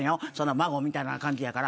孫みたいな感じやから。